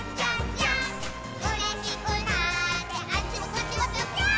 「うれしくなってあっちもこっちもぴょぴょーん」